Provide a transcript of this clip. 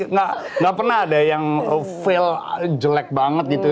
nggak pernah ada yang fail jelek banget gitu